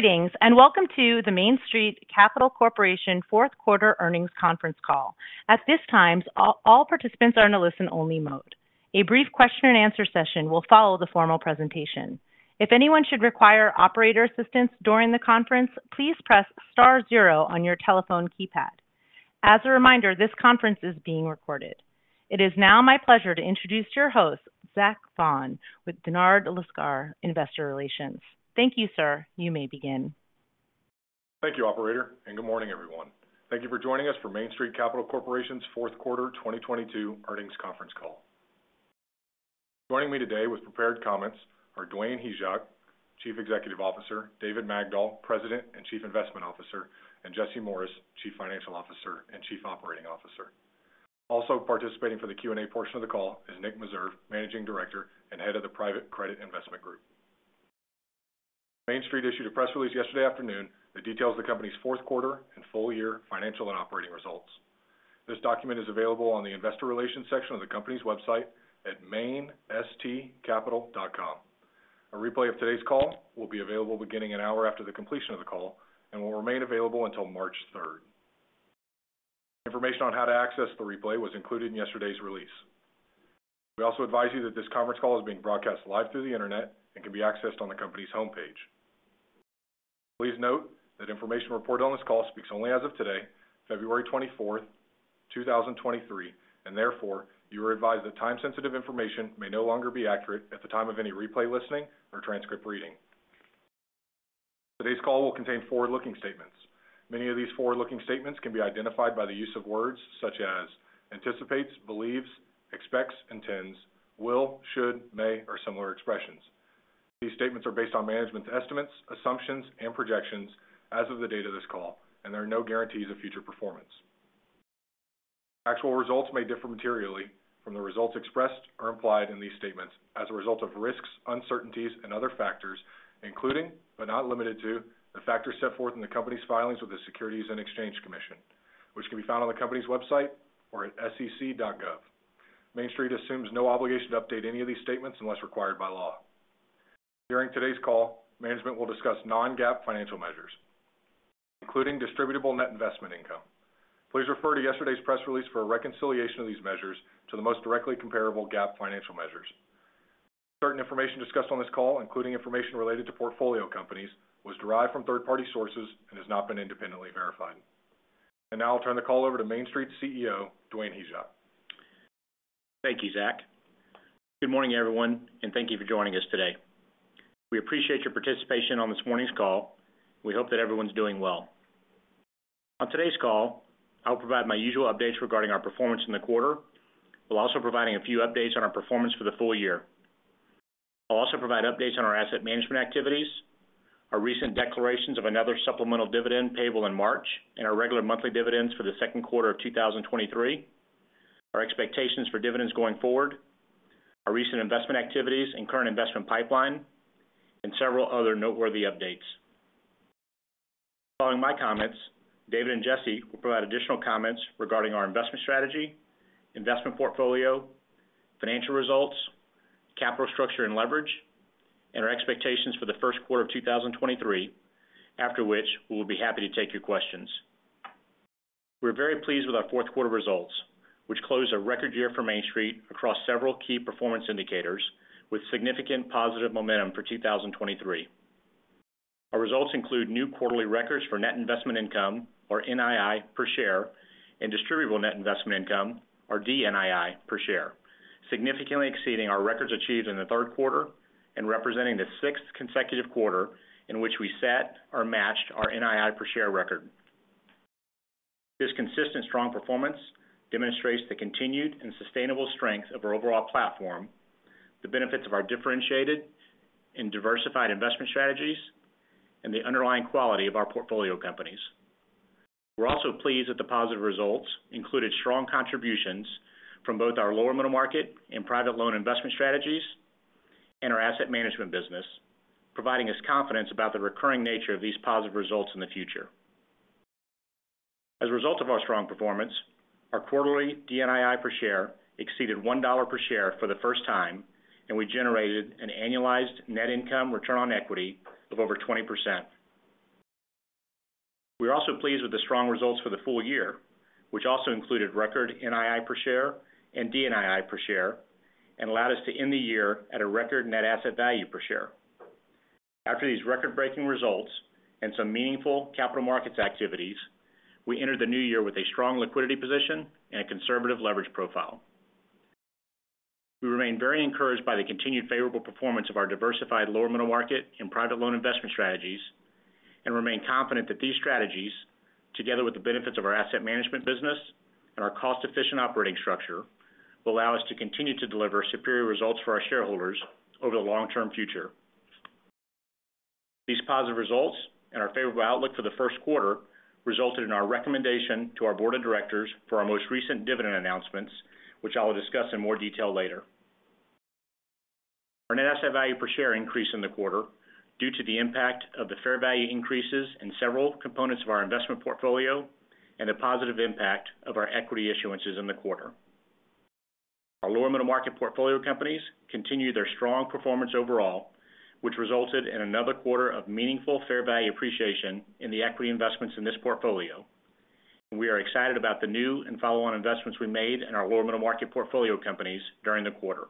Greetings, welcome to the Main Street Capital Corporation fourth quarter earnings conference call. At this time, all participants are in a listen-only mode. A brief question-and-answer session will follow the formal presentation. If anyone should require operator assistance during the conference, please press star zero on your telephone keypad. As a reminder, this conference is being recorded. It is now my pleasure to introduce your host, Zach Vaughan with Dennard Lascar Investor Relations. Thank you, sir. You may begin. Thank you, operator. Good morning, everyone. Thank you for joining us for Main Street Capital Corporation's fourth quarter 2022 earnings conference call. Joining me today with prepared comments are Dwayne Hyzak, Chief Executive Officer, David Magdol, President and Chief Investment Officer, and Jesse Morris, Chief Financial Officer and Chief Operating Officer. Also participating for the Q&A portion of the call is Nick Meserve, Managing Director and Head of the Private Credit Investment Group. Main Street issued a press release yesterday afternoon that details the company's fourth quarter and full year financial and operating results. This document is available on the investor relations section of the company's website at mainstcapital.com. A replay of today's call will be available beginning an hour after the completion of the call and will remain available until March third. Information on how to access the replay was included in yesterday's release. We also advise you that this conference call is being broadcast live through the internet and can be accessed on the company's homepage. Please note that information reported on this call speaks only as of today, February 24, 2023, and therefore you are advised that time-sensitive information may no longer be accurate at the time of any replay listening or transcript reading. Today's call will contain forward-looking statements. Many of these forward-looking statements can be identified by the use of words such as anticipates, believes, expects, intends, will, should, may, or similar expressions. These statements are based on management's estimates, assumptions, and projections as of the date of this call and there are no guarantees of future performance. Actual results may differ materially from the results expressed or implied in these statements as a result of risks, uncertainties, and other factors, including, but not limited to, the factors set forth in the company's filings with the Securities and Exchange Commission, which can be found on the company's website or at sec.gov. Main Street assumes no obligation to update any of these statements unless required by law. During today's call, management will discuss non-GAAP financial measures, including distributable net investment income. Please refer to yesterday's press release for a reconciliation of these measures to the most directly comparable GAAP financial measures. Certain information discussed on this call, including information related to portfolio companies, was derived from third-party sources and has not been independently verified. Now I'll turn the call over to Main Street CEO, Dwayne Hyzak. Thank you, Zach. Good morning, everyone, and thank you for joining us today. We appreciate your participation on this morning's call. We hope that everyone's doing well. On today's call, I'll provide my usual updates regarding our performance in the quarter, while also providing a few updates on our performance for the full year. I'll also provide updates on our asset management activities, our recent declarations of another supplemental dividend payable in March and our regular monthly dividends for the second quarter of 2023, our expectations for dividends going forward, our recent investment activities and current investment pipeline, and several other noteworthy updates. Following my comments, David and Jesse will provide additional comments regarding our investment strategy, investment portfolio, financial results, capital structure and leverage, and our expectations for the first quarter of 2023. After which, we will be happy to take your questions. We're very pleased with our fourth quarter results, which closed a record year for Main Street across several key performance indicators with significant positive momentum for 2023. Our results include new quarterly records for net investment income, or NII, per share and distributable net investment income, or DNII per share, significantly exceeding our records achieved in the third quarter and representing the sixth consecutive quarter in which we set or matched our NII per share record. This consistent strong performance demonstrates the continued and sustainable strength of our overall platform, the benefits of our differentiated and diversified investment strategies, and the underlying quality of our portfolio companies. We're also pleased that the positive results included strong contributions from both our lower middle market and private loan investment strategies and our asset management business, providing us confidence about the recurring nature of these positive results in the future. As a result of our strong performance, our quarterly DNII per share exceeded $1 per share for the first time. We generated an annualized net income return on equity of over 20%. We are also pleased with the strong results for the full year, which also included record NII per share and DNII per share and allowed us to end the year at a record net asset value per share. After these record-breaking results and some meaningful capital markets activities, we entered the new year with a strong liquidity position and a conservative leverage profile. We remain very encouraged by the continued favorable performance of our diversified lower middle market and private loan investment strategies and remain confident that these strategies, together with the benefits of our asset management business and our cost-efficient operating structure, will allow us to continue to deliver superior results for our shareholders over the long-term future. These positive results and our favorable outlook for the first quarter resulted in our recommendation to our board of directors for our most recent dividend announcements, which I will discuss in more detail later. Our net asset value per share increased in the quarter due to the impact of the fair value increases in several components of our investment portfolio and the positive impact of our equity issuances in the quarter. Our lower middle market portfolio companies continued their strong performance overall, which resulted in another quarter of meaningful fair value appreciation in the equity investments in this portfolio. We are excited about the new and follow-on investments we made in our lower middle market portfolio companies during the quarter.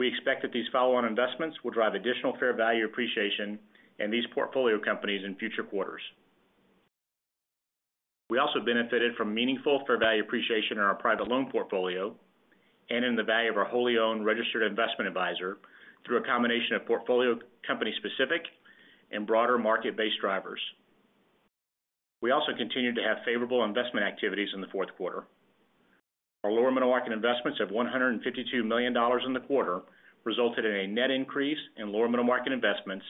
We expect that these follow-on investments will drive additional fair value appreciation in these portfolio companies in future quarters. We also benefited from meaningful fair value appreciation in our private loan portfolio and in the value of our wholly owned registered investment adviser through a combination of portfolio company-specific and broader market-based drivers. We also continued to have favorable investment activities in the fourth quarter. Our lower middle market investments of $152 million in the quarter resulted in a net increase in lower middle market investments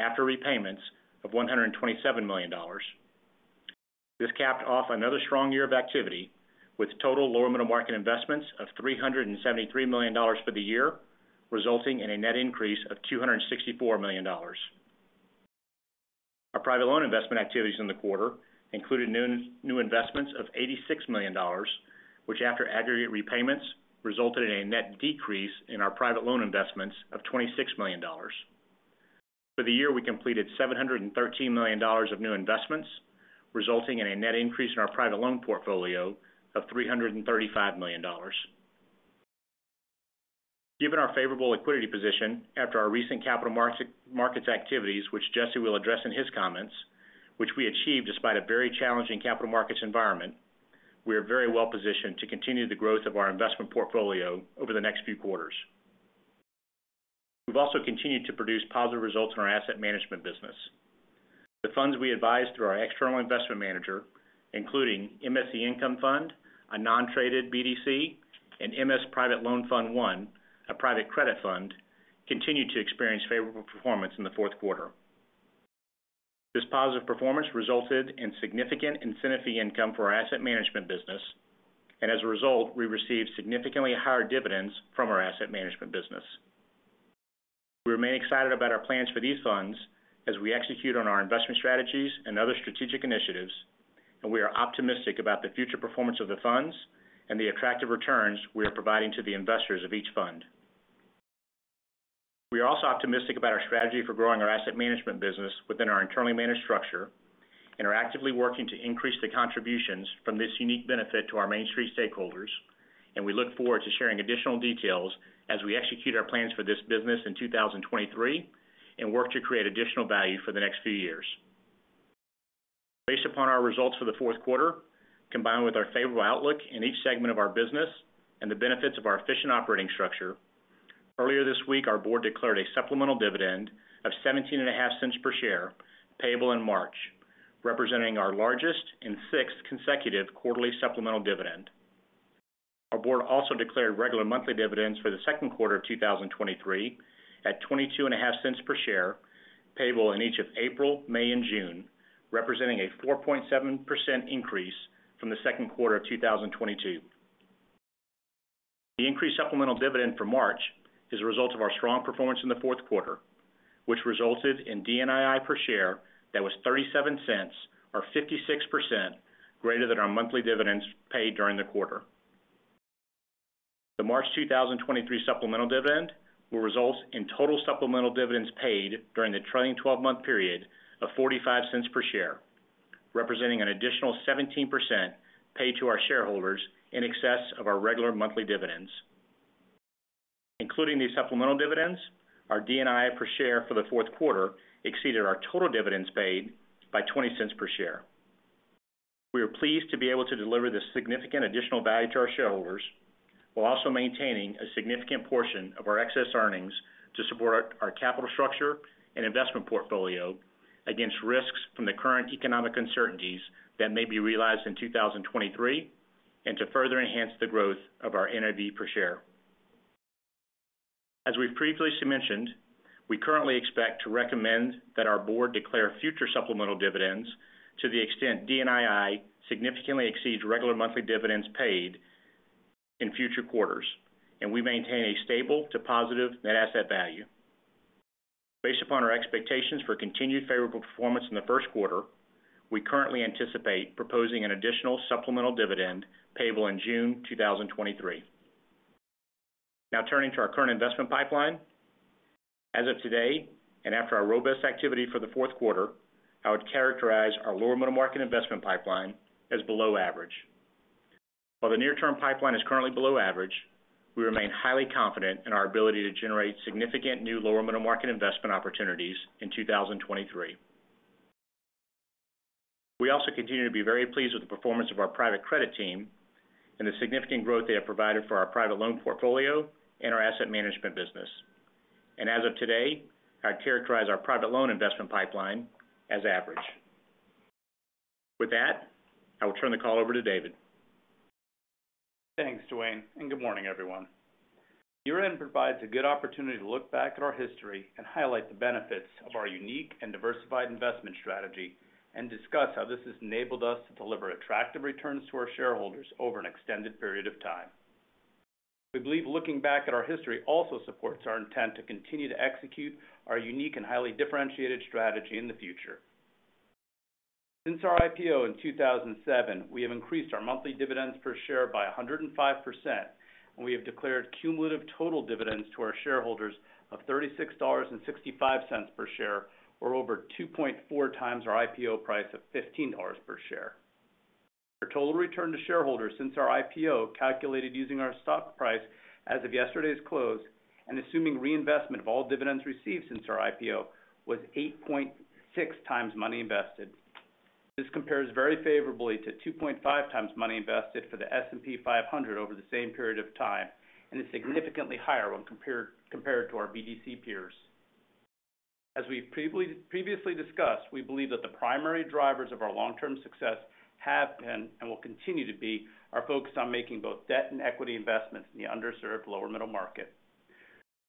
after repayments of $127 million. This capped off another strong year of activity with total lower middle market investments of $373 million for the year, resulting in a net increase of $264 million. Our private loan investment activities in the quarter included new investments of $86 million, which after aggregate repayments, resulted in a net decrease in our private loan investments of $26 million. For the year, we completed $713 million of new investments, resulting in a net increase in our private loan portfolio of $335 million. Given our favorable liquidity position after our recent capital markets activities, which Jesse will address in his comments, which we achieved despite a very challenging capital markets environment, we are very well positioned to continue the growth of our investment portfolio over the next few quarters. We've also continued to produce positive results in our asset management business. The funds we advise through our External Investment Manager, including MSC Income Fund, a non-traded BDC, and MS Private Loan Fund I, a private credit fund, continued to experience favorable performance in the fourth quarter. This positive performance resulted in significant incentive fee income for our asset management business. As a result, we received significantly higher dividends from our asset management business. We remain excited about our plans for these funds as we execute on our investment strategies and other strategic initiatives. We are optimistic about the future performance of the funds and the attractive returns we are providing to the investors of each fund. We are also optimistic about our strategy for growing our asset management business within our internally managed structure and are actively working to increase the contributions from this unique benefit to our Main Street stakeholders. We look forward to sharing additional details as we execute our plans for this business in 2023 and work to create additional value for the next few years. Based upon our results for the fourth quarter, combined with our favorable outlook in each segment of our business and the benefits of our efficient operating structure, earlier this week, our board declared a supplemental dividend of 0.175 per share, payable in March, representing our largest and sixth consecutive quarterly supplemental dividend. Our board also declared regular monthly dividends for the second quarter of 2023 at 0.225 per share, payable in each of April, May, and June, representing a 4.7% increase from the second quarter of 2022. The increased supplemental dividend for March is a result of our strong performance in the fourth quarter, which resulted in DNII per share that was 0.37 or 56% greater than our monthly dividends paid during the quarter. The March 2023 supplemental dividend will result in total supplemental dividends paid during the trailing 12-month period of 0.45 per share, representing an additional 17% paid to our shareholders in excess of our regular monthly dividends. Including these supplemental dividends, our DNII per share for the fourth quarter exceeded our total dividends paid by 0.20 per share. We are pleased to be able to deliver this significant additional value to our shareholders while also maintaining a significant portion of our excess earnings to support our capital structure and investment portfolio against risks from the current economic uncertainties that may be realized in 2023 and to further enhance the growth of our NAV per share. As we've previously mentioned, we currently expect to recommend that our board declare future supplemental dividends to the extent DNII significantly exceeds regular monthly dividends paid in future quarters, and we maintain a stable to positive net asset value. Based upon our expectations for continued favorable performance in the first quarter, we currently anticipate proposing an additional supplemental dividend payable in June 2023. Turning to our current investment pipeline. As of today, and after our robust activity for the fourth quarter, I would characterize our lower middle market investment pipeline as below average. While the near-term pipeline is currently below average, we remain highly confident in our ability to generate significant new lower middle market investment opportunities in 2023. We also continue to be very pleased with the performance of our private credit team and the significant growth they have provided for our private loan portfolio and our asset management business. As of today, I characterize our private loan investment pipeline as average. With that, I will turn the call over to David. Thanks, Dwayne, good morning, everyone. Year-end provides a good opportunity to look back at our history and highlight the benefits of our unique and diversified investment strategy and discuss how this has enabled us to deliver attractive returns to our shareholders over an extended period of time. We believe looking back at our history also supports our intent to continue to execute our unique and highly differentiated strategy in the future. Since our IPO in 2007, we have increased our monthly dividends per share by 105%, and we have declared cumulative total dividends to our shareholders of $36.65 per share, or over 2.4 times our IPO price of $15 per share. Our total return to shareholders since our IPO, calculated using our stock price as of yesterday's close and assuming reinvestment of all dividends received since our IPO, was 8.6x money invested. This compares very favorably to 2.5x money invested for the S&P 500 over the same period of time, and is significantly higher when compared to our BDC peers. As we've previously discussed, we believe that the primary drivers of our long-term success have been, and will continue to be, our focus on making both debt and equity investments in the underserved lower middle market.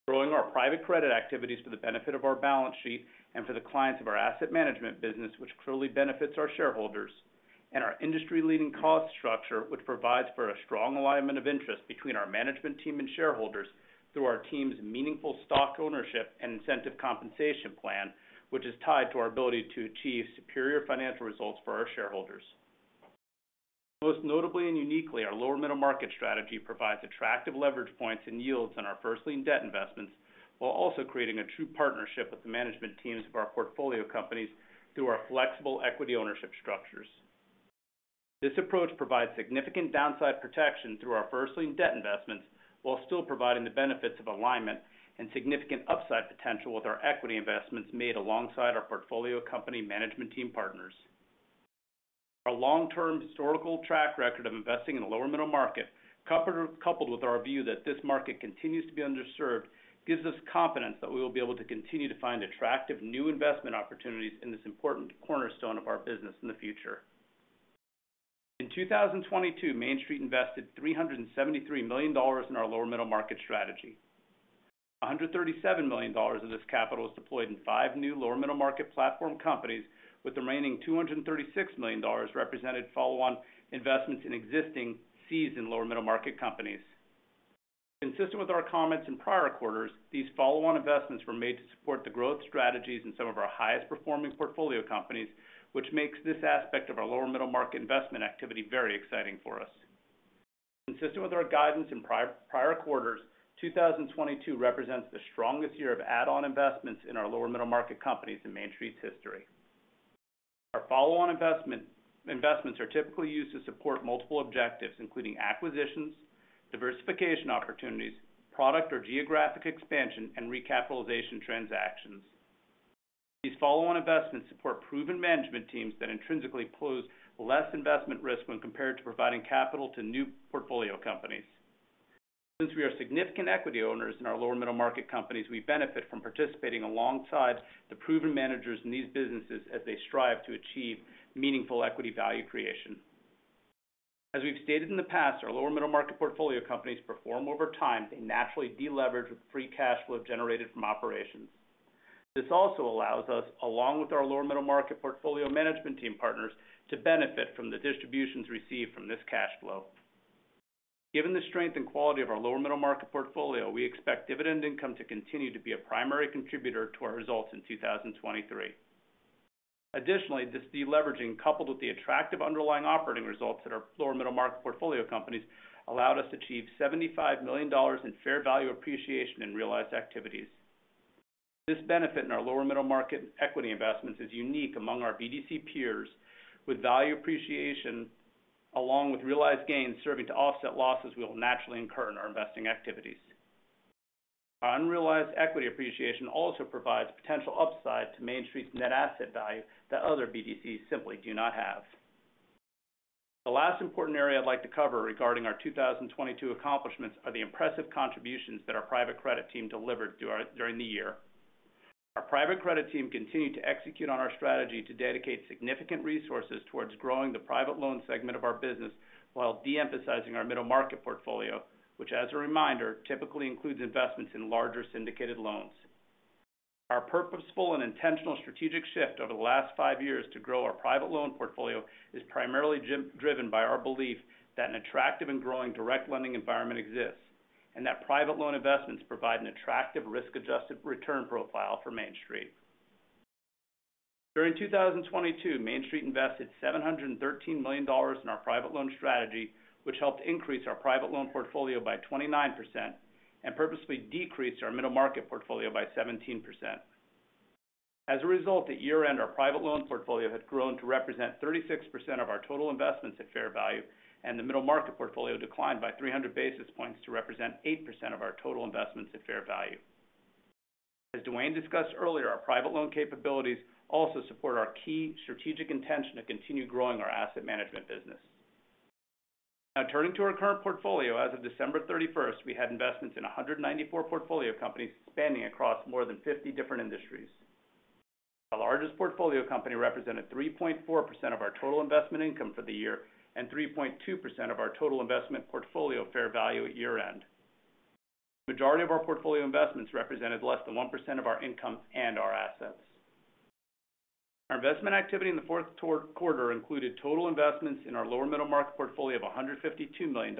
Growing our private credit activities for the benefit of our balance sheet and for the clients of our asset management business, which clearly benefits our shareholders, and our industry-leading cost structure, which provides for a strong alignment of interest between our management team and shareholders through our team's meaningful stock ownership and incentive compensation plan, which is tied to our ability to achieve superior financial results for our shareholders. Most notably and uniquely, our lower middle market strategy provides attractive leverage points and yields on our first lien debt investments, while also creating a true partnership with the management teams of our portfolio companies through our flexible equity ownership structures. This approach provides significant downside protection through our first lien debt investments while still providing the benefits of alignment and significant upside potential with our equity investments made alongside our portfolio company management team partners. Our long-term historical track record of investing in the lower middle market, coupled with our view that this market continues to be underserved, gives us confidence that we will be able to continue to find attractive new investment opportunities in this important cornerstone of our business in the future. In 2022, Main Street invested $373 million in our lower middle market strategy. $137 million of this capital was deployed in five new lower middle market platform companies, with the remaining $236 million represented follow-on investments in existing seasoned lower middle market companies. Consistent with our comments in prior quarters, these follow-on investments were made to support the growth strategies in some of our highest performing portfolio companies, which makes this aspect of our lower middle market investment activity very exciting for us. Consistent with our guidance in prior quarters, 2022 represents the strongest year of add-on investments in our lower middle market companies in Main Street's history. Our follow-on investments are typically used to support multiple objectives, including acquisitions, diversification opportunities, product or geographic expansion, and recapitalization transactions. These follow-on investments support proven management teams that intrinsically pose less investment risk when compared to providing capital to new portfolio companies. Since we are significant equity owners in our lower middle market companies, we benefit from participating alongside the proven managers in these businesses as they strive to achieve meaningful equity value creation. As we've stated in the past, our lower middle market portfolio companies perform over time. They naturally de-leverage with free cash flow generated from operations. This also allows us, along with our lower middle market portfolio management team partners, to benefit from the distributions received from this cash flow. Given the strength and quality of our lower middle market portfolio, we expect dividend income to continue to be a primary contributor to our results in 2023. This de-leveraging, coupled with the attractive underlying operating results at our lower middle market portfolio companies, allowed us to achieve $75 million in fair value appreciation in realized activities. This benefit in our lower middle market equity investments is unique among our BDC peers, with value appreciation, along with realized gains, serving to offset losses we will naturally incur in our investing activities. Our unrealized equity appreciation also provides potential upside to Main Street's net asset value that other BDCs simply do not have. The last important area I'd like to cover regarding our 2022 accomplishments are the impressive contributions that our Private Credit team delivered during the year. Our Private Credit team continued to execute on our strategy to dedicate significant resources towards growing the private loan segment of our business while de-emphasizing our middle market portfolio, which, as a reminder, typically includes investments in larger syndicated loans. Our purposeful and intentional strategic shift over the last five years to grow our private loan portfolio is primarily driven by our belief that an attractive and growing direct lending environment exists, and that private loan investments provide an attractive risk-adjusted return profile for Main Street. During 2022, Main Street invested $713 million in our private loan strategy, which helped increase our private loan portfolio by 29% and purposefully decreased our middle market portfolio by 17%. As a result, at year-end, our private loan portfolio had grown to represent 36% of our total investments at fair value, and the middle market portfolio declined by 300 basis points to represent 8% of our total investments at fair value. As Dwayne discussed earlier, our private loan capabilities also support our key strategic intention to continue growing our asset management business. Turning to our current portfolio. As of December 31st, we had investments in 194 portfolio companies spanning across more than 50 different industries. Our largest portfolio company represented 3.4% of our total investment income for the year and 3.2% of our total investment portfolio fair value at year-end. The majority of our portfolio investments represented less than 1% of our income and our assets. Our investment activity in the fourth quarter included total investments in our lower middle market portfolio of $152 million,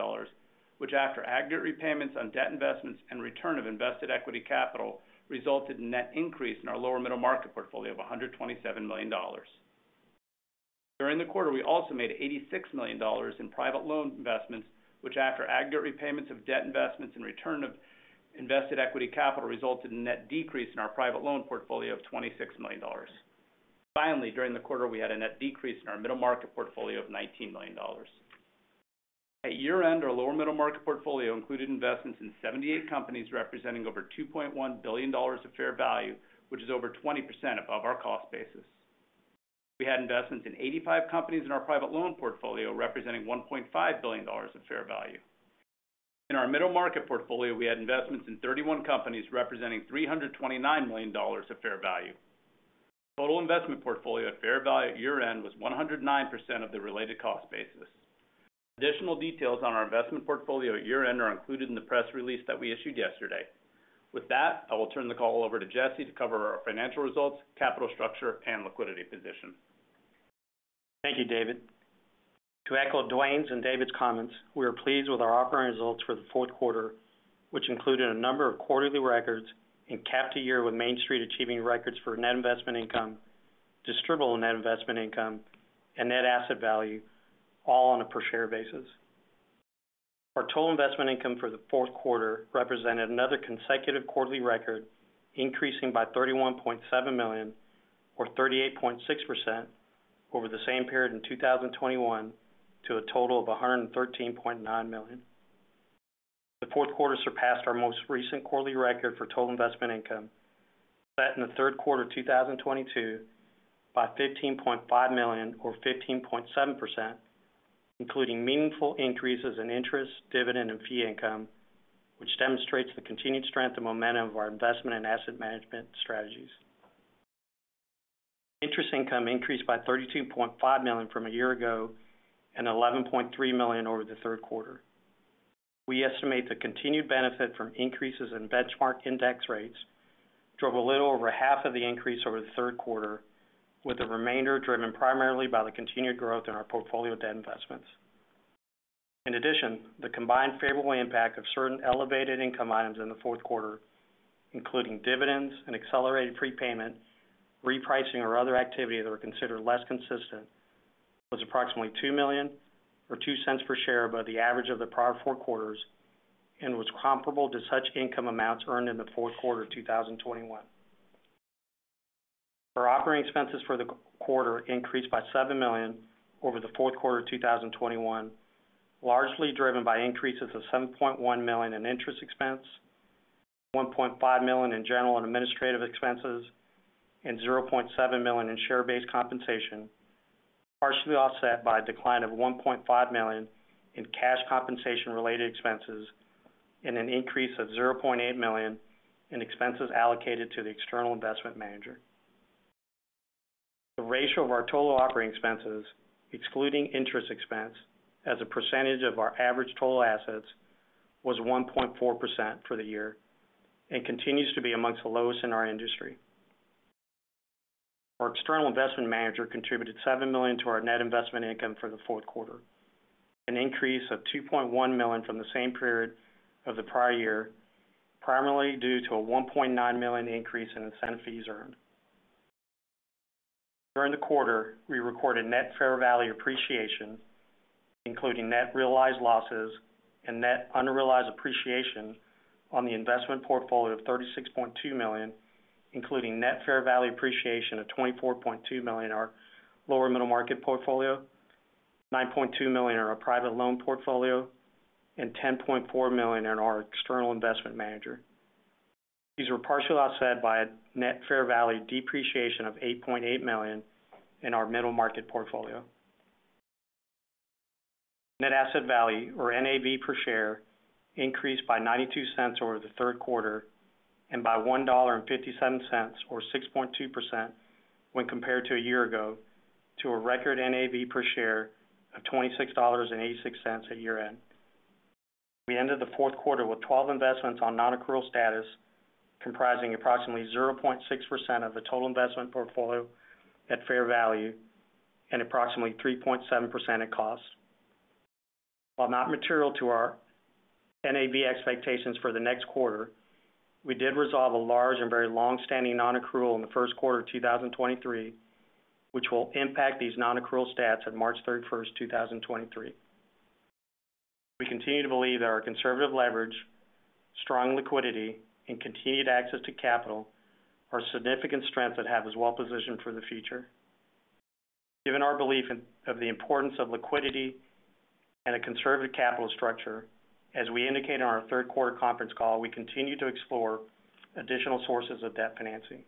which, after aggregate repayments on debt investments and return of invested equity capital, resulted in net increase in our lower middle market portfolio of $127 million. During the quarter, we also made $86 million in private loan investments, which after aggregate repayments of debt investments and return of invested equity capital, resulted in net decrease in our private loan portfolio of $26 million. Finally, during the quarter, we had a net decrease in our middle market portfolio of $19 million. At year-end, our lower middle market portfolio included investments in 78 companies, representing over $2.1 billion of fair value, which is over 20% above our cost basis. We had investments in 85 companies in our private loan portfolio, representing $1.5 billion of fair value. In our middle market portfolio, we had investments in 31 companies representing $329 million of fair value. Total investment portfolio at fair value at year-end was 109% of the related cost basis. Additional details on our investment portfolio at year-end are included in the press release that we issued yesterday. With that, I will turn the call over to Jesse to cover our financial results, capital structure and liquidity position. Thank you, David. To echo Dwayne's and David's comments, we are pleased with our operating results for the fourth quarter, which included a number of quarterly records and capped a year with Main Street achieving records for net investment income, distributable net investment income, and net asset value, all on a per share basis. Our total investment income for the fourth quarter represented another consecutive quarterly record, increasing by 31.7 million or 38.6% over the same period in 2021 to a total of 113.9 million. The fourth quarter surpassed our most recent quarterly record for total investment income set in the third quarter of 2022 by 15.5 million or 15.7%, including meaningful increases in interest, dividend and fee income, which demonstrates the continued strength and momentum of our investment and asset management strategies. Interest income increased by 32.5 million from a year ago and 11.3 million over the third quarter. We estimate the continued benefit from increases in benchmark index rates drove a little over half of the increase over the third quarter, with the remainder driven primarily by the continued growth in our portfolio debt investments. The combined favorable impact of certain elevated income items in the fourth quarter, including dividends and accelerated prepayment, repricing or other activity that were considered less consistent, was approximately 2 million or 0.02 per share above the average of the prior four quarters and was comparable to such income amounts earned in the fourth quarter of 2021. Our operating expenses for the quarter increased by 7 million over the fourth quarter of 2021, largely driven by increases of 7.1 million in interest expense, 1.5 million in general and administrative expenses, and 0.7 million in share-based compensation, partially offset by a decline of 1.5 million in cash compensation related expenses and an increase of 0.8 million of expenses allocated to the External Investment Manager. The ratio of our total operating expenses excluding interest expense as a percentage of our average total assets was 1.4% for the year and continues to be amongst the lowest in our industry. Our External Investment Manager contributed 7 million to our Net Investment Income for the fourth quarter, an increase of 2.1 million from the same period of the prior year, primarily due to a 1.9 million increase in incentive fees earned. During the quarter, we recorded net fair value appreciation, including net realized losses and net unrealized appreciation on the investment portfolio of 36.2 million, including net fair value appreciation of 24.2 million in our lower middle market portfolio, 9.2 million in our private loan portfolio, and 10.4 million in our External Investment Manager. These were partially offset by a net fair value depreciation of $8.8 million in our middle market portfolio. Net asset value or NAV per share increased by $0.92 over the third quarter and by $1.57 or 6.2% when compared to a year ago to a record NAV per share of $26.86 at year-end. We ended the fourth quarter with 12 investments on non-accrual status, comprising approximately 0.6% of the total investment portfolio at fair value and approximately 3.7% at cost. While not material to our NAV expectations for the next quarter, we did resolve a large and very long-standing non-accrual in the first quarter of 2023, which will impact these non-accrual stats at March 31, 2023. We continue to believe that our conservative leverage, strong liquidity and continued access to capital are significant strengths that have us well positioned for the future. Given our belief of the importance of liquidity and a conservative capital structure, as we indicated on our third quarter conference call, we continue to explore additional sources of debt financing.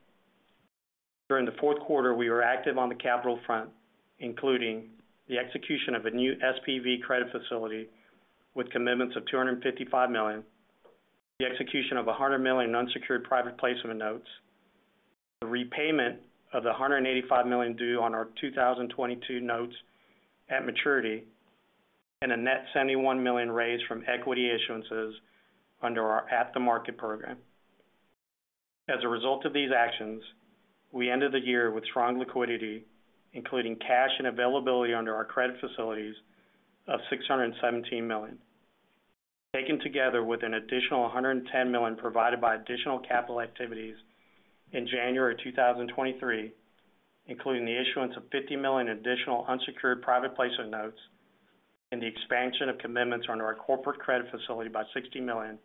During the fourth quarter, we were active on the capital front, including the execution of a new SPV credit facility with commitments of $255 million, the execution of a 100 million unsecured private placement notes, the repayment of the 185 million due on our 2022 notes at maturity, and a net 71 million raised from equity issuances under our at-the-market program. As a result of these actions, we ended the year with strong liquidity, including cash and availability under our credit facilities of 617 million. Taken together with an additional 110 million provided by additional capital activities in January 2023, including the issuance of 50 million additional unsecured private placement notes and the expansion of commitments under our corporate credit facility by 60 million,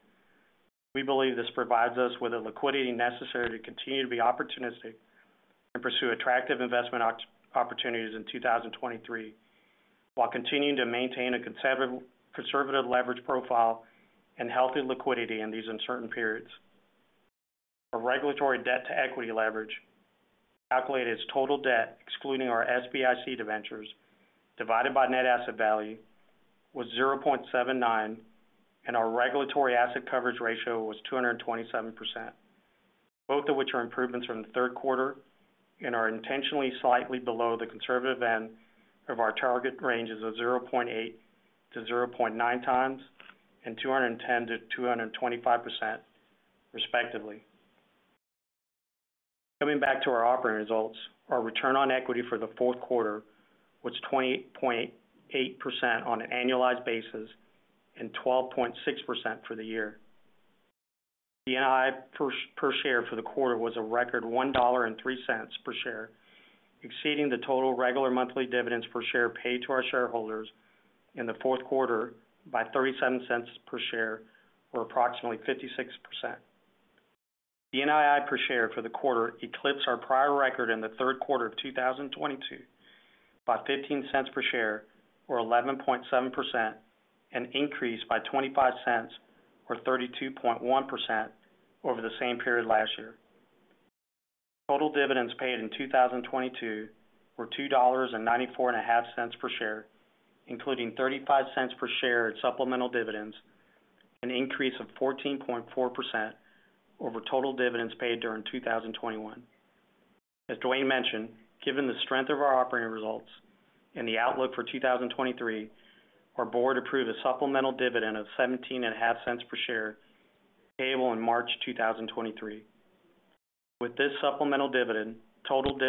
we believe this provides us with the liquidity necessary to continue to be opportunistic and pursue attractive investment opportunities in 2023, while continuing to maintain a conservative leverage profile and healthy liquidity in these uncertain periods. Our regulatory debt-to-equity leverage, calculated as total debt excluding our SBIC debentures divided by net asset value, was 0.79, and our regulatory asset coverage ratio was 227%, both of which are improvements from the third quarter and are intentionally slightly below the conservative end of our target ranges of 0.8-0.9 times and 210%-225% respectively. Coming back to our operating results, our return on equity for the fourth quarter was 20.8% on an annualized basis and 12.6% for the year. The NII per share for the quarter was a record $1.03 per share, exceeding the total regular monthly dividends per share paid to our shareholders in the fourth quarter by 0.37 per share or approximately 56%. The NII per sharefor the quarter eclipsed our prior record in the third quarter of 2022 by 0.15 per share or 11.7%, an increase by 0.25 or 32.1% over the same period last year. Total dividends paid in 2022 were two dollars and ninety-four and a half cents per share, including 0.35 per share in supplemental dividends, an increase of 14.4% over total dividends paid during 2021. As Dwayne mentioned, given the strength of our operating results and the outlook for 2023, our board approved a supplemental dividend of seventeen and a half cents per share payable in March 2023. With this supplemental dividend, total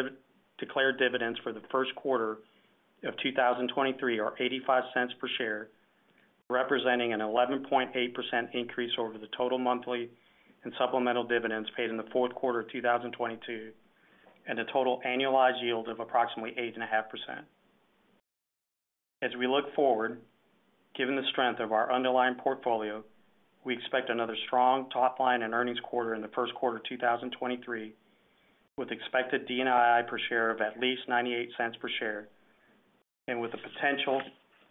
declared dividends for the first quarter of 2023 are 0.85 per share, representing an 11.8% increase over the total monthly and supplemental dividends paid in the fourth quarter of 2022 and a total annualized yield of approximately 8.5%. Given the strength of our underlying portfolio, we expect another strong top line and earnings quarter in the first quarter of 2023, with expected DNII per share of at least 0.98 per share and with the potential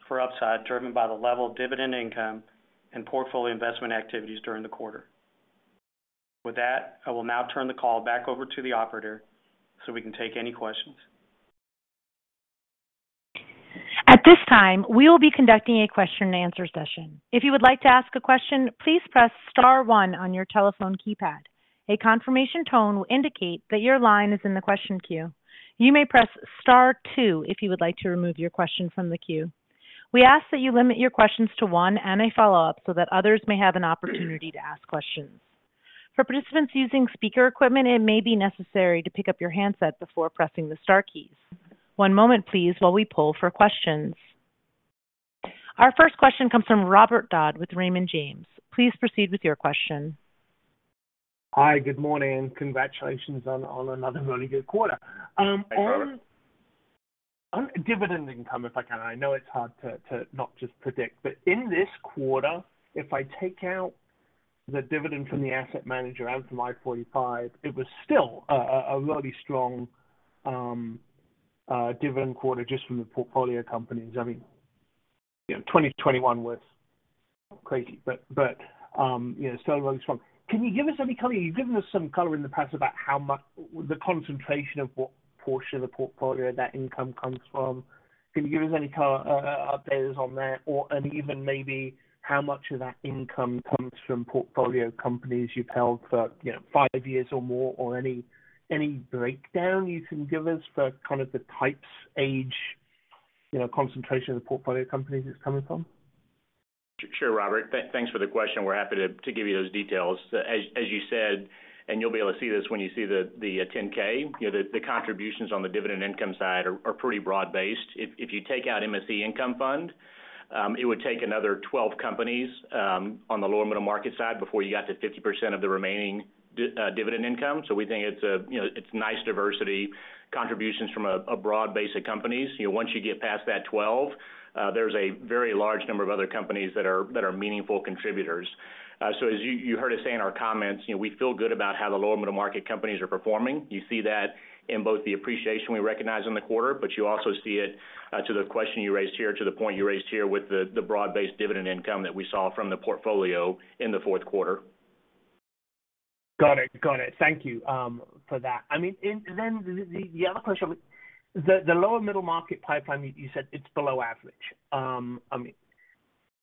for upside driven by the level of dividend income and portfolio investment activities during the quarter. With that, I will now turn the call back over to the operator so we can take any questions. At this time, we will be conducting a question-and-answer session. If you would like to ask a question, please press star one on your telephone keypad. A confirmation tone will indicate that your line is in the question queue. You may press Star two if you would like to remove your question from the queue. We ask that you limit your questions to one and a follow-up so that others may have an opportunity to ask questions. For participants using speaker equipment, it may be necessary to pick up your handset before pressing the star keys. One moment please while we poll for questions. Our first question comes from Robert Dodd with Raymond James. Please proceed with your question. Hi. Good morning. Congratulations on another really good quarter. Hey, Robert. On dividend income, if I can. I know it's hard to not just predict, but in this quarter, if I take out the dividend from the asset manager and from I-45, it was still a really strong dividend quarter just from the portfolio companies. I mean, you know, 2021 was crazy, but you know, still really strong. Can you give us any color? You've given us some color in the past about how much the concentration of what portion of the portfolio that income comes from. Can you give us any updates on that or even maybe how much of that income comes from portfolio companies you've held for, you know, five years or more or any breakdown you can give us for kind of the types, age, you know, concentration of the portfolio companies it's coming from? Sure, Robert. Thanks for the question. We're happy to give you those details. As you said, and you'll be able to see this when you see the 10 K, you know, the contributions on the dividend income side are pretty broad-based. If you take out MSC Income Fund, it would take another 12 companies on the lower middle market side before you got to 50% of the remaining dividend income. We think it's a, you know, it's nice diversity contributions from a broad base of companies. You know, once you get past that 12, there's a very large number of other companies that are meaningful contributors. As you heard us say in our comments, you know, we feel good about how the lower middle market companies are performing. You see that in both the appreciation we recognize in the quarter, but you also see it to the question you raised here, to the point you raised here with the broad-based dividend income that we saw from the portfolio in the fourth quarter. Got it. Got it. Thank you for that. I mean, the other question, the lower middle market pipeline, you said it's below average. I mean,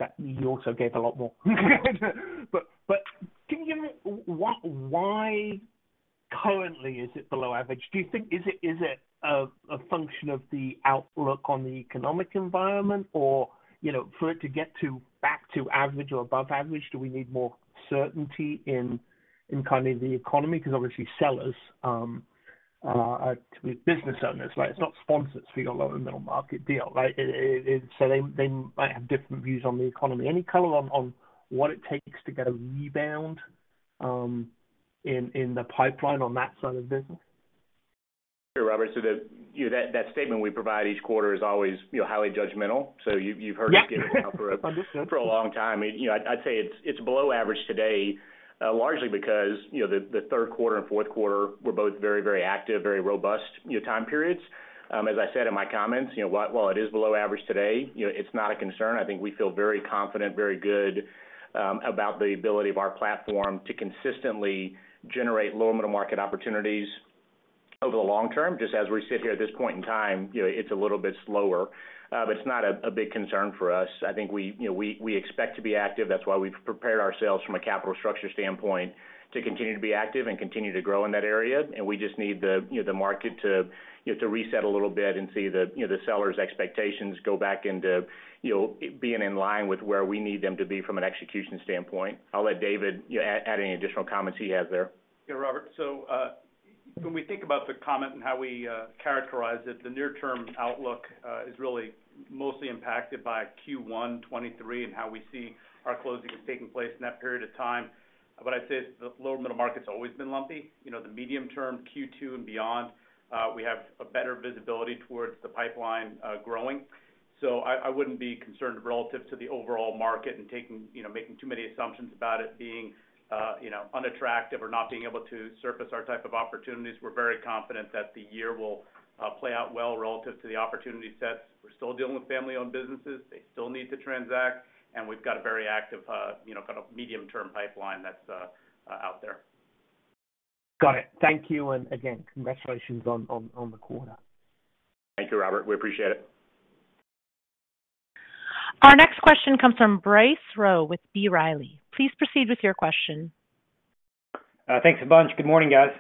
that you also gave a lot more. Can you give me why currently is it below average? Do you think is it a function of the outlook on the economic environment or, you know, for it to get back to average or above average, do we need more certainty in kind of the economy? Because obviously sellers, to be business owners, right? It's not sponsors for your lower middle market deal, right? They might have different views on the economy. Any color on what it takes to get a rebound in the pipeline on that side of the business? Sure, Robert. you know, that statement we provide each quarter is always, you know, highly judgmental. Yeah. You've heard us give it now for. Understood... for a long time. You know, I'd say it's below average today, largely because, you know, the third quarter and fourth quarter were both very, very active, very robust, you know, time periods. As I said in my comments, you know, while it is below average today, you know, it's not a concern. I think we feel very confident, very good, about the ability of our platform to consistently generate lower middle market opportunities over the long term. Just as we sit here at this point in time, you know, it's a little bit slower. it's not a big concern for us. I think we, you know, we expect to be active. That's why we've prepared ourselves from a capital structure standpoint to continue to be active and continue to grow in that area. We just need the, you know, the market to, you know, to reset a little bit and see the, you know, the sellers' expectations go back into, you know, being in line with where we need them to be from an execution standpoint. I'll let David, you know, add any additional comments he has there. Yeah, Robert. When we think about the comment and how we characterize it, the near-term outlook is really mostly impacted by Q1 2023 and how we see our closings taking place in that period of time. I'd say the lower middle market's always been lumpy. You know, the medium term, Q2 and beyond, we have a better visibility towards the pipeline growing. I wouldn't be concerned relative to the overall market and taking, you know, making too many assumptions about it being, you know, unattractive or not being able to surface our type of opportunities. We're very confident that the year will play out well relative to the opportunity sets. We're still dealing with family-owned businesses. They still need to transact, and we've got a very active, you know, kind of medium-term pipeline that's out there. Got it. Thank you. Again, congratulations on the quarter. Thank you, Robert. We appreciate it. Our next question comes from Bryce Rowe with B. Riley. Please proceed with your question. Thanks a bunch. Good morning, guys.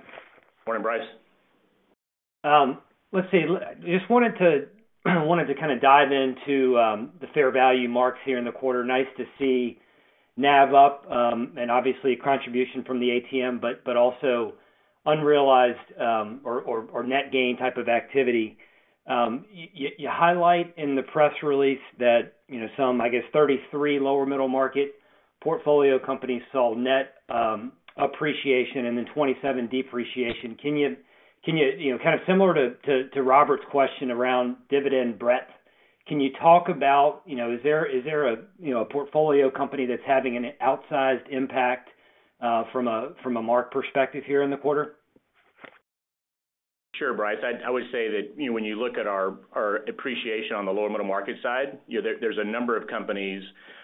Morning, Bryce. Let's see. Just wanted to kind of dive into the fair value marks here in the quarter. Nice to see NAV up, and obviously contribution from the ATM, but also unrealized, or net gain type of activity. You highlight in the press release that, you know, some, I guess, 33 lower middle market portfolio companies saw net appreciation and then 27 depreciation. Can you know, kind of similar to Robert's question around dividend breadth, can you talk about, you know, is there a, you know, a portfolio company that's having an outsized impact, from a mark perspective here in the quarter? Sure, Bryce. I would say that, you know, when you look at our appreciation on the lower middle market side, you know, there's a number of companies that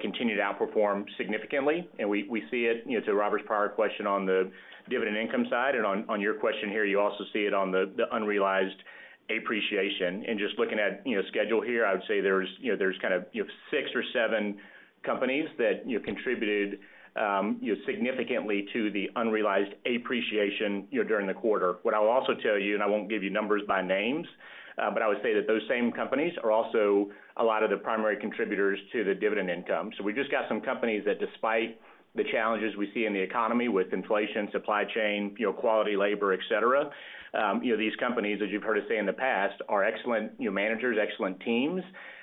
continue to outperform significantly, and we see it, you know, to Robert's prior question on the dividend income side and on your question here, you also see it on the unrealized appreciation. Just looking at, you know, schedule here, I would say there's, you know, there's kind of, you have six or seven companies that, you know, contributed, you know, significantly to the unrealized appreciation, you know, during the quarter. What I'll also tell you, and I won't give you numbers by names, but I would say that those same companies are also a lot of the primary contributors to the dividend income. We just got some companies that despite the challenges we see in the economy with inflation, supply chain, you know, quality labor, et cetera, you know, these companies, as you've heard us say in the past, are excellent, you know, managers, excellent teams,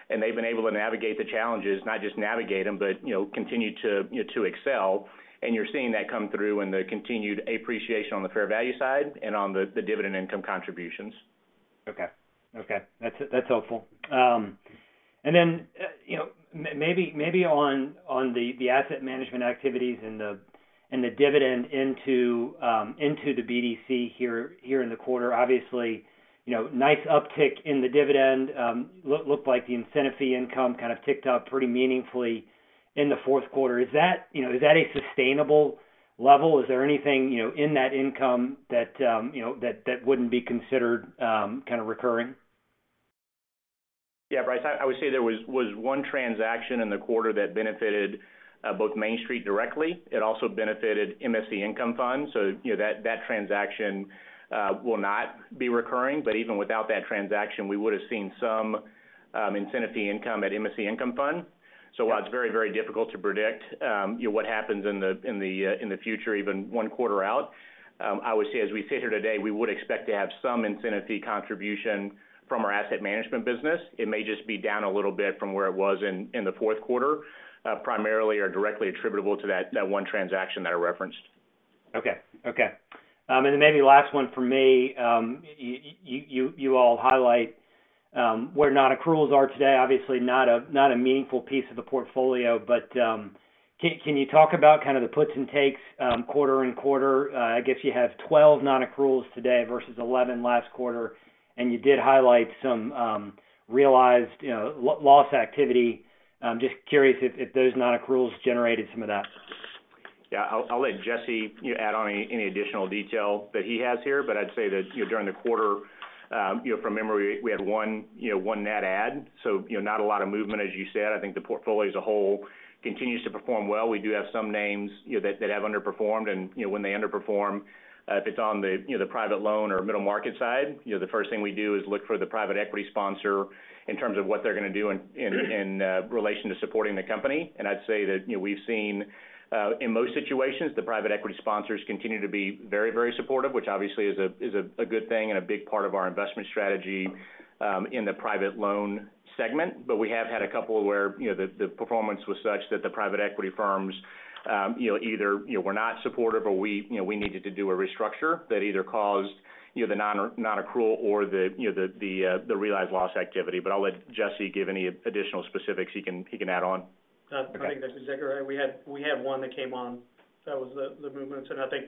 and they've been able to navigate the challenges, not just navigate them, but, you know, continue to, you know, to excel. And you're seeing that come through in the continued appreciation on the fair value side and on the dividend income contributions. Okay. That's, that's helpful. Then, you know, maybe on the asset management activities and the dividend into the BDC here in the quarter, obviously, you know, nice uptick in the dividend. Look like the incentive fee income kind of ticked up pretty meaningfully in the fourth quarter. Is that, you know, is that a sustainable level? Is there anything, you know, in that income that, you know, that wouldn't be considered kind of recurring? Yeah, Bryce, I would say there was one transaction in the quarter that benefited both Main Street directly. It also benefited MSC Income Fund. You know, that transaction will not be recurring. Even without that transaction, we would have seen some incentive fee income at MSC Income Fund. While it's very difficult to predict, you know, what happens in the future, even one quarter out, I would say, as we sit here today, we would expect to have some incentive fee contribution from our asset management business. It may just be down a little bit from where it was in the fourth quarter, primarily or directly attributable to that one transaction that I referenced. Okay. Okay. Then maybe last one for me. you all highlight where non-accruals are today. Obviously not a, not a meaningful piece of the portfolio, but can you talk about kind of the puts and takes quarter and quarter? I guess you have 12 non-accruals today versus 11 last quarter. You did highlight some realized, you know, loss activity. I'm just curious if those non-accruals generated some of that. I'll let Jesse, you know, add on any additional detail that he has here. I'd say that, you know, during the quarter, you know, from memory, we had one, you know, one net add. Not a lot of movement, as you said. I think the portfolio as a whole continues to perform well. We do have some names, you know, that have underperformed. When they underperform, if it's on the, you know, the private loan or middle market side, you know, the first thing we do is look for the private equity sponsor in terms of what they're going to do in relation to supporting the company. I'd say that, you know, we've seen in most situations, the private equity sponsors continue to be very, very supportive, which obviously is a good thing and a big part of our investment strategy in the private loan segment. We have had a couple where, you know, the performance was such that the private equity firms, you know, either, you know, were not supportive or we, you know, we needed to do a restructure that either caused, you know, the non-accrual or the realized loss activity. I'll let Jesse give any additional specifics he can add on. I think that's exactly right. We had one that came on. That was the movements, I think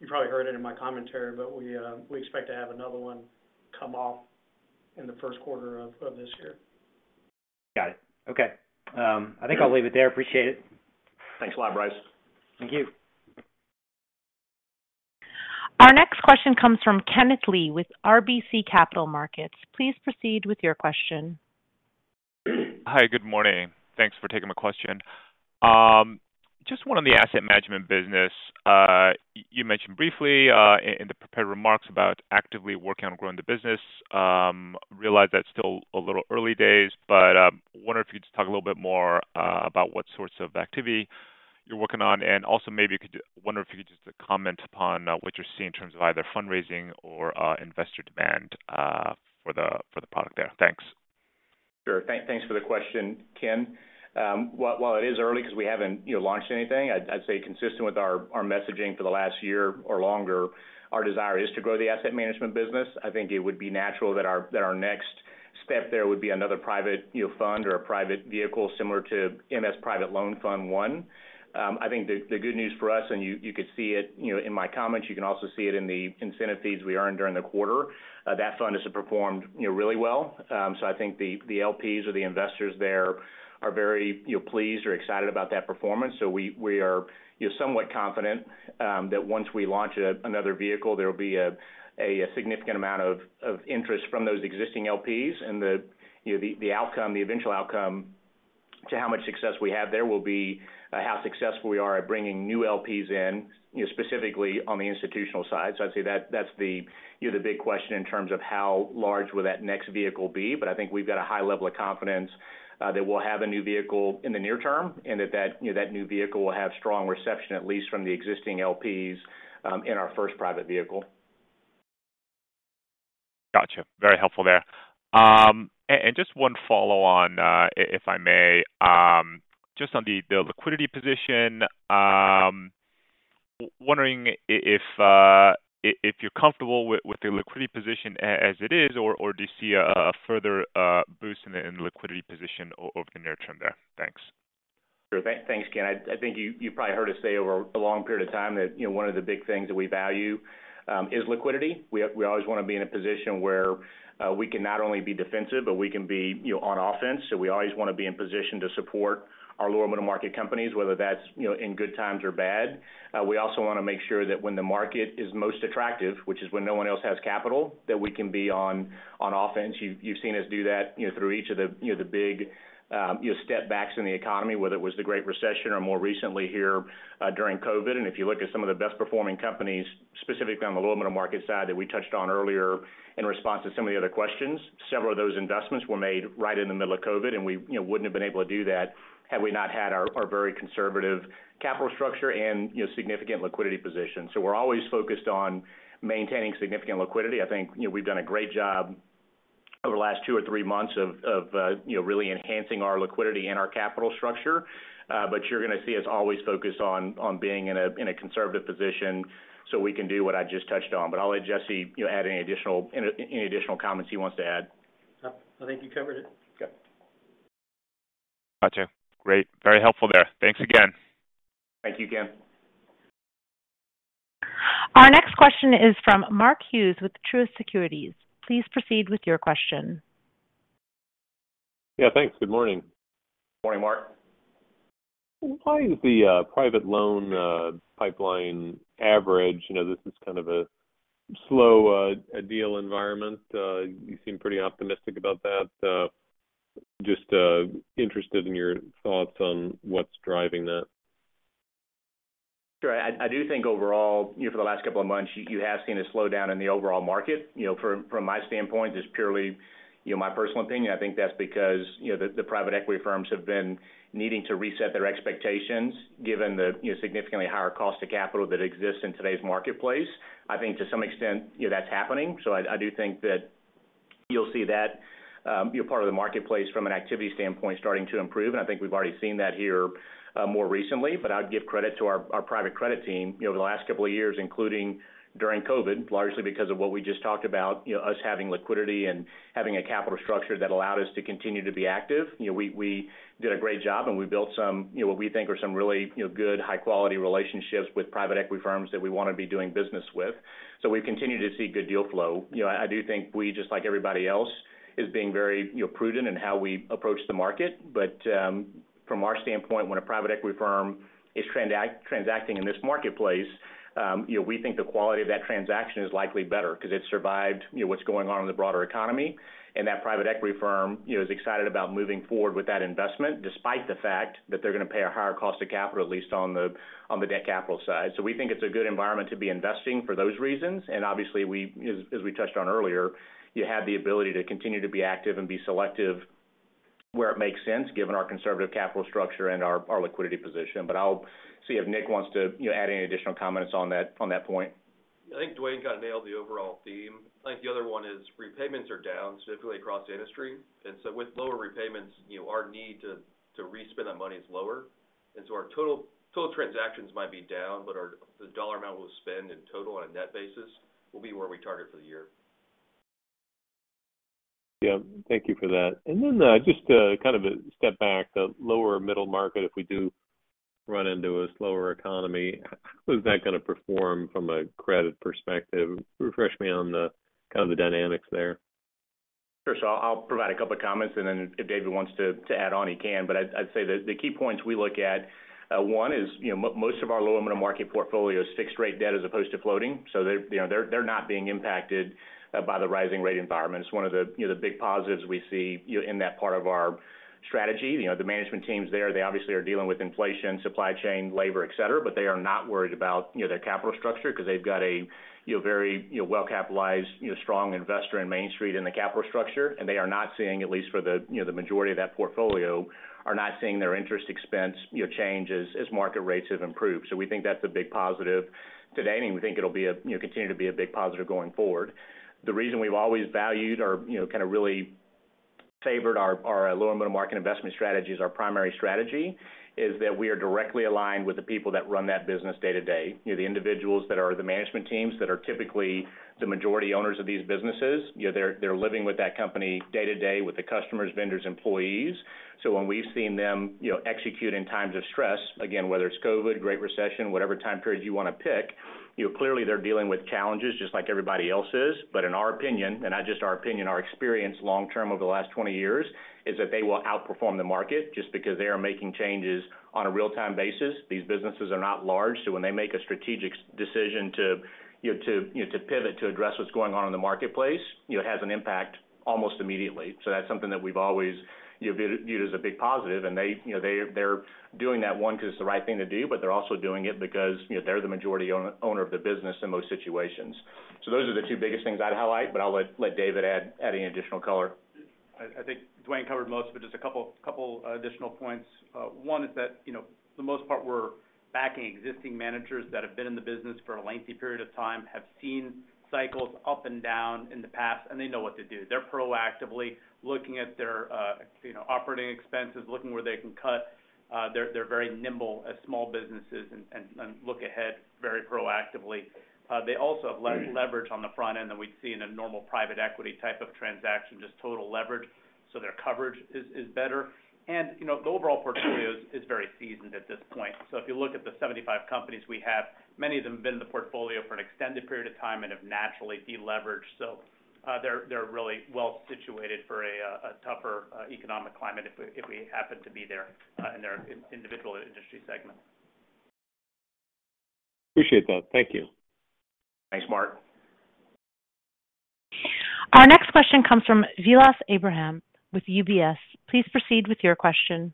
you probably heard it in my commentary, we expect to have another one come off in the first quarter of this year. Got it. Okay. I think I'll leave it there. Appreciate it. Thanks a lot, Bryce. Thank you. Our next question comes from Kenneth Lee with RBC Capital Markets. Please proceed with your question. Hi, good morning. Thanks for taking my question. Just one on the asset management business. You mentioned briefly in the prepared remarks about actively working on growing the business. Realize that's still a little early days, but wondering if you could just talk a little bit more about what sorts of activity you're working on. Also wonder if you could just comment upon what you're seeing in terms of either fundraising or investor demand for the product there. Thanks. Sure. Thanks for the question, Ken. While it is early 'cause we haven't, you know, launched anything, I'd say consistent with our messaging for the last 1 year or longer, our desire is to grow the asset management business. I think it would be natural that our next step there would be another private, you know, fund or a private vehicle similar to MS Private Loan Fund I. I think the good news for us, and you could see it, you know, in my comments, you can also see it in the incentive fees we earned during the quarter, that fund has performed, you know, really well. I think the LPs or the investors there are very, you know, pleased or excited about that performance. We are, you know, somewhat confident that once we launch another vehicle, there will be a significant amount of interest from those existing LPs and the, you know, the outcome, the eventual outcome to how much success we have there will be how successful we are at bringing new LPs in, you know, specifically on the institutional side. I'd say that's the, you know, the big question in terms of how large will that next vehicle be. I think we've got a high level of confidence that we'll have a new vehicle in the near term and that, you know, that new vehicle will have strong reception, at least from the existing LPs in our first private vehicle. Gotcha. Very helpful there. Just one follow on, if I may, just on the liquidity position, wondering if you're comfortable with the liquidity position as it is, or do you see a further boost in the liquidity position over the near term there? Thanks. Sure. Thanks, Kenneth. I think you probably heard us say over a long period of time that, you know, one of the big things that we value is liquidity. We always want to be in a position where we can not only be defensive, but we can be, you know, on offense. We always want to be in position to support our lower middle market companies, whether that's, you know, in good times or bad. We also want to make sure that when the market is most attractive, which is when no one else has capital, that we can be on offense. You've seen us do that, you know, through each of the, you know, the big, you know, step backs in the economy, whether it was the Great Recession or more recently here during COVID. If you look at some of the best performing companies, specifically on the lower middle market side that we touched on earlier in response to some of the other questions, several of those investments were made right in the middle of COVID, and we, you know, wouldn't have been able to do that had we not had our very conservative capital structure and, you know, significant liquidity position. We're always focused on maintaining significant liquidity. I think, you know, we've done a great job over the last two or three months of, you know, really enhancing our liquidity and our capital structure. You're going to see us always focus on being in a conservative position so we can do what I just touched on. I'll let Jesse, you know, add any additional comments he wants to add. No. I think you covered it. Okay. Got you. Great. Very helpful there. Thanks again. Thank you, Kenneth. Our next question is from Mark Hughes with Truist Securities. Please proceed with your question. Yeah, thanks. Good morning. Morning, Mark. Why is the private loan pipeline average? You know, this is kind of a slow deal environment. You seem pretty optimistic about that. Just interested in your thoughts on what's driving that. Sure. I do think overall, you know, for the last couple of months, you have seen a slowdown in the overall market. You know, from my standpoint, just purely, you know, my personal opinion, I think that's because, you know, the private equity firms have been needing to reset their expectations given the, you know, significantly higher cost of capital that exists in today's marketplace. I think to some extent, you know, that's happening. I do think that you'll see that, you know, part of the marketplace from an activity standpoint starting to improve, and I think we've already seen that here more recently. I'd give credit to our private credit team, you know, over the last couple of years, including during COVID, largely because of what we just talked about, you know, us having liquidity and having a capital structure that allowed us to continue to be active. You know, we did a great job, and we built some, you know, what we think are some really, you know, good high-quality relationships with private equity firms that we want to be doing business with. We've continued to see good deal flow. You know, I do think we, just like everybody else, is being very, you know, prudent in how we approach the market. From our standpoint, when a private equity firm is transacting in this marketplace, you know, we think the quality of that transaction is likely better 'cause it survived, you know, what's going on in the broader economy. That private equity firm, you know, is excited about moving forward with that investment despite the fact that they're going to pay a higher cost of capital, at least on the, on the debt capital side. We think it's a good environment to be investing for those reasons. Obviously, as we touched on earlier, you have the ability to continue to be active and be selective where it makes sense given our conservative capital structure and our liquidity position. I'll see if Nick wants to, you know, add any additional comments on that, on that point. I think Dwayne kind of nailed the overall theme. I think the other one is repayments are down significantly across the industry. With lower repayments, you know, our need to re-spend that money is lower. Our total transactions might be down, but the dollar amount we'll spend in total on a net basis will be where we target for the year. Yeah. Thank you for that. Just to kind of step back, the lower middle market, if we do run into a slower economy, how is that going to perform from a credit perspective? Refresh me on the kind of the dynamics there. Sure. I'll provide a couple of comments, and then if David wants to add on, he can. I'd say the key points we look at, one is, you know, most of our lower middle market portfolio is fixed-rate debt as opposed to floating. They're, you know, they're not being impacted by the rising rate environment. It's one of the, you know, the big positives we see, you know, in that part of our strategy. You know, the management teams there, they obviously are dealing with inflation, supply chain, labor, et cetera, but they are not worried about, you know, their capital structure because they've got a, you know, very, you know, well-capitalized, you know, strong investor in Main Street in the capital structure. They are not seeing, at least for the, you know, the majority of that portfolio, are not seeing their interest expense, you know, change as market rates have improved. We think that's a big positive today, and we think it'll be, you know, continue to be a big positive going forward. The reason we've always valued or, you know, kind of really favored our lower middle market investment strategy as our primary strategy is that we are directly aligned with the people that run that business day-to-day. You know, the individuals that are the management teams that are typically the majority owners of these businesses, you know, they're living with that company day-to-day with the customers, vendors, employees. When we've seen them, you know, execute in times of stress, again, whether it's COVID, Great Recession, whatever time period you want to pick, you know, clearly they're dealing with challenges just like everybody else is. In our opinion, and not just our opinion, our experience long-term over the last 20 years is that they will outperform the market just because they are making changes on a real-time basis. These businesses are not large. When they make a strategic decision to, you know, to pivot to address what's going on in the marketplace, it has an impact almost immediately. That's something that we've always, you know, viewed as a big positive. They, you know, they're doing that, one, because it's the right thing to do, but they're also doing it because, you know, they're the majority owner of the business in most situations. Those are the two biggest things I'd highlight, but I'll let David add any additional color. I think Dwayne covered most of it. Just a couple additional points. One is that, you know, for the most part, we're backing existing managers that have been in the business for a lengthy period of time, have seen cycles up and down in the past, and they know what to do. They're proactively looking at their, you know, operating expenses, looking where they can cut. They're very nimble as small businesses and look ahead very proactively. They also have leverage on the front end than we'd see in a normal private equity type of transaction, just total leverage, so their coverage is better. You know, the overall portfolio is very seasoned at this point. If you look at the 75 companies we have, many of them have been in the portfolio for an extended period of time and have naturally de-leveraged. They're really well situated for a tougher economic climate if we, if we happen to be there, in their individual industry segments. Appreciate that. Thank you. Thanks, Mark. Our next question comes from Vilas Abraham with UBS. Please proceed with your question.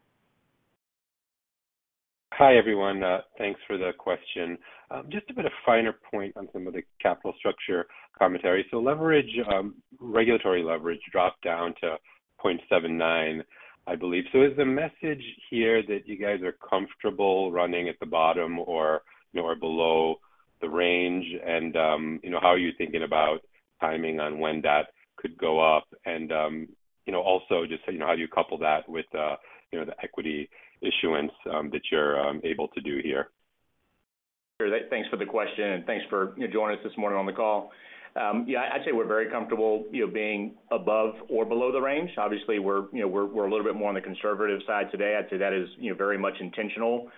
Hi, everyone. thanks for the question. just a bit of finer point on some of the capital structure commentary. Leverage, regulatory leverage dropped down to 0.79, I believe. Is the message here that you guys are comfortable running at the bottom or, you know, or below the range? You know, how are you thinking about timing on when that could go up? You know, also just, you know, how do you couple that with, you know, the equity issuance, that you're, able to do here? Sure. Thanks for the question and thanks for, you know, joining us this morning on the call. Yeah, I'd say we're very comfortable, you know, being above or below the range. Obviously, you know, we're a little bit more on the conservative side today. I'd say that is, you know, very much intentional,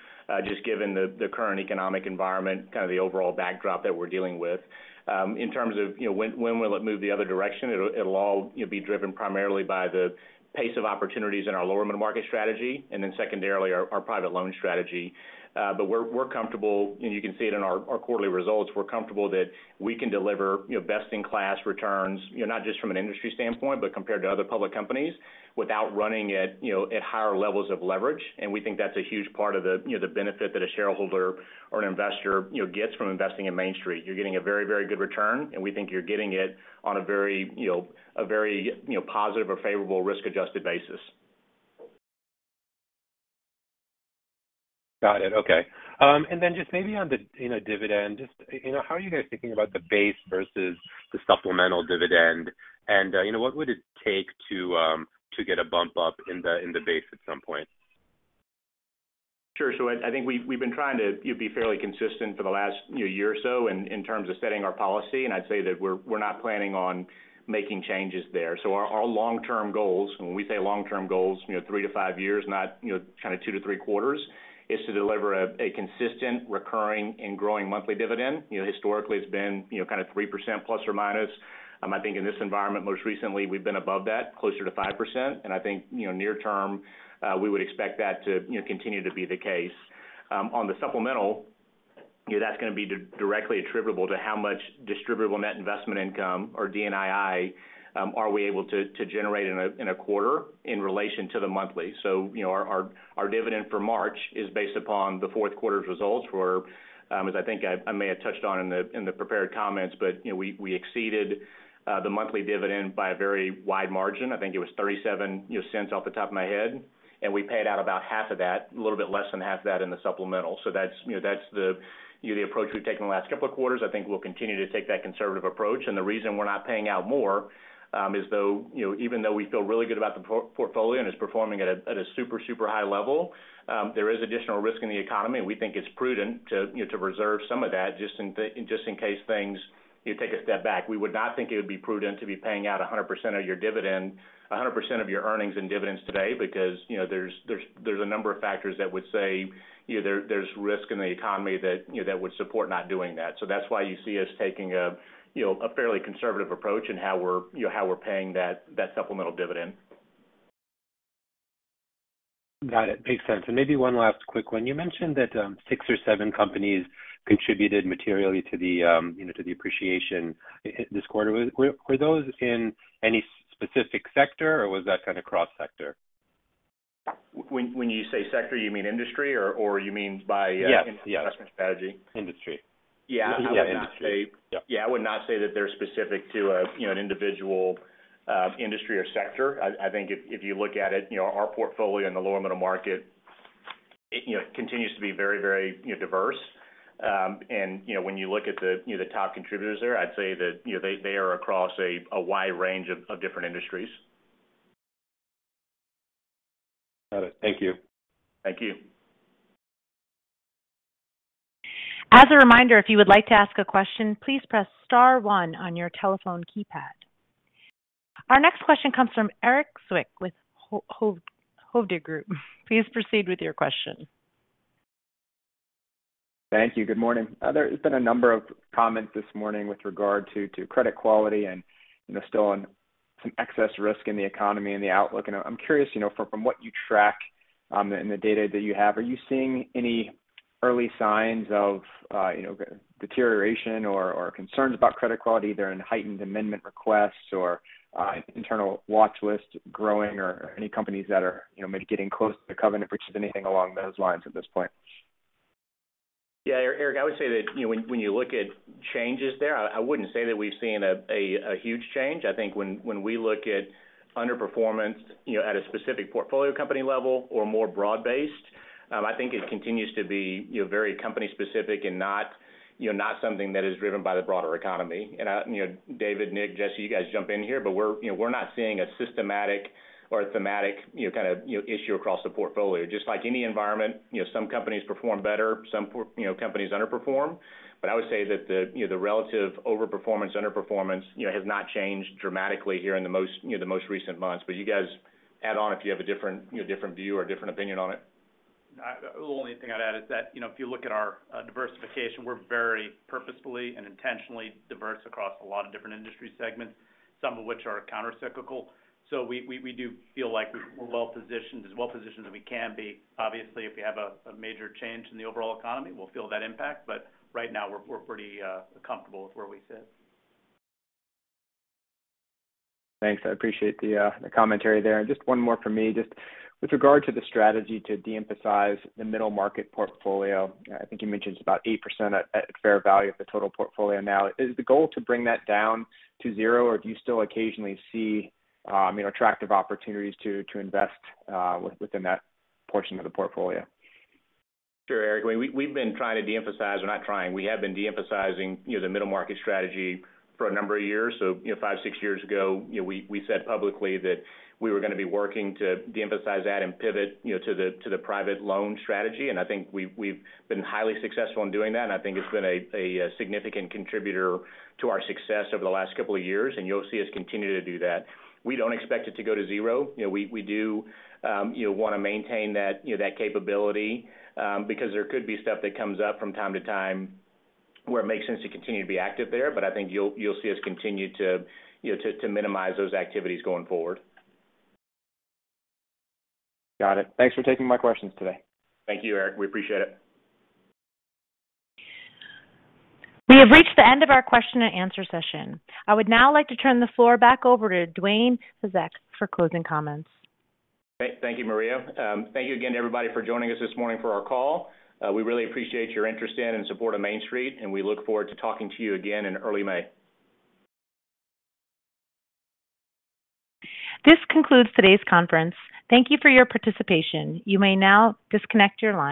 just given the current economic environment, kind of the overall backdrop that we're dealing with. In terms of, you know, when will it move the other direction, it'll all, you know, be driven primarily by the pace of opportunities in our lower middle market strategy, and then secondarily, our private loan strategy. We're comfortable, and you can see it in our quarterly results. We're comfortable that we can deliver, you know, best-in-class returns, you know, not just from an industry standpoint, but compared to other public companies without running at, you know, at higher levels of leverage. We think that's a huge part of the, you know, the benefit that a shareholder or an investor, you know, gets from investing in Main Street. You're getting a very, very good return, and we think you're getting it on a very, you know, a very, you know, positive or favorable risk-adjusted basis. Got it. Okay. Then just maybe on the, you know, dividend, just, you know, how are you guys thinking about the base versus the supplemental dividend? What would it take to get a bump up in the, in the base at some point? I think we've been trying to, you know, be fairly consistent for the last, you know, year or so in terms of setting our policy. I'd say that we're not planning on making changes there. Our long-term goals, when we say long-term goals, you know, three-fiveyears, not, you know, kind of two-three quarters, is to deliver a consistent, recurring, and growing monthly dividend. You know, historically, it's been, you know, kind of 3% ±. I think in this environment, most recently, we've been above that, closer to 5%. I think, you know, near term, we would expect that to, you know, continue to be the case. On the supplemental, you know, that's going to be directly attributable to how much distributable net investment income or DNII are we able to generate in a quarter in relation to the monthly. You know, our dividend for March is based upon the fourth quarter's results where, as I think I may have touched on in the prepared comments, but, you know, we exceeded the monthly dividend by a very wide margin. I think it was 0.37 off the top of my head, and we paid out about half of that, a little bit less than half that in the supplemental. That's, you know, that's the, you know, the approach we've taken the last couple of quarters. I think we'll continue to take that conservative approach. The reason we're not paying out more is though, you know, even though we feel really good about the portfolio and it's performing at a super high level, there is additional risk in the economy, and we think it's prudent to, you know, to reserve some of that just in case things, you take a step back. We would not think it would be prudent to be paying out 100% of your earnings and dividends today because, you know, there's a number of factors that would say, you know, there's risk in the economy that, you know, that would support not doing that. That's why you see us taking a, you know, a fairly conservative approach in how we're, you know, how we're paying that supplemental dividend. Got it. Makes sense. Maybe one last quick one. You mentioned that, six or seven companies contributed materially to the, you know, to the appreciation this quarter. Were those in any specific sector, or was that kind of cross-sector? When you say sector, you mean industry or you mean by-? Yes, yes. Investment strategy. Industry. Yeah. Yeah, industry. I would not say. Yeah. Yeah, I would not say that they're specific to a, you know, an individual industry or sector. I think if you look at it, you know, our portfolio in the lower middle market, it continues to be very, very diverse. When you look at the, you know, the top contributors there, I'd say that, you know, they are across a wide range of different industries. Got it. Thank you. Thank you. As a reminder, if you would like to ask a question, please press star one on your telephone keypad. Our next question comes from Erik Zwick with Hovde Group. Please proceed with your question. Thank you. Good morning. There's been a number of comments this morning with regard to credit quality and, you know, still on some excess risk in the economy and the outlook. I'm curious, you know, from what you track, in the data that you have, are you seeing any early signs of, you know, deterioration or concerns about credit quality either in heightened amendment requests or internal watch list growing or any companies that are, you know, maybe getting close to the covenant breach of anything along those lines at this point? Yeah, Erik, I would say that, you know, when you look at changes there, I wouldn't say that we've seen a huge change. I think when we look at underperformance, you know, at a specific portfolio company level or more broad-based, I think it continues to be, you know, very company specific and not something that is driven by the broader economy. You know, David, Nick, Jesse, you guys jump in here, but we're, you know, we're not seeing a systematic or a thematic, you know, kinda issue across the portfolio. Just like any environment, you know, some companies perform better, some, you know, companies underperform. I would say that the relative overperformance, underperformance, you know, has not changed dramatically here in the most recent months. You guys add on if you have a different, you know, different view or different opinion on it. The only thing I'd add is that, you know, if you look at our diversification, we're very purposefully and intentionally diverse across a lot of different industry segments, some of which are countercyclical. We do feel like we're well-positioned, as well-positioned as we can be. Obviously, if we have a major change in the overall economy, we'll feel that impact. Right now, we're pretty comfortable with where we sit. Thanks. I appreciate the commentary there. Just one more for me. Just with regard to the strategy to de-emphasize the middle market portfolio, I think you mentioned it's about 8% at fair value of the total portfolio now. Is the goal to bring that down to zero, or do you still occasionally see, you know, attractive opportunities to invest within that portion of the portfolio? Sure, Erik. We've been trying to de-emphasize, or not trying. We have been de-emphasizing, you know, the middle market strategy for a number of years. You know, five, six years ago, you know, we said publicly that we were going to be working to de-emphasize that and pivot, you know, to the private loan strategy. I think we've been highly successful in doing that, and I think it's been a significant contributor to our success over the last couple of years, and you'll see us continue to do that. We don't expect it to go to zero. You know, we do, you know, want to maintain that, you know, that capability, because there could be stuff that comes up from time to time where it makes sense to continue to be active there. I think you'll see us continue to, you know, to minimize those activities going forward. Got it. Thanks for taking my questions today. Thank you, Erik. We appreciate it. We have reached the end of our question and answer session. I would now like to turn the floor back over to Dwayne Hyzak for closing comments. Great. Thank you, Maria. Thank you again to everybody for joining us this morning for our call. We really appreciate your interest in and support of Main Street, and we look forward to talking to you again in early May. This concludes today's conference. Thank you for your participation. You may now disconnect your line.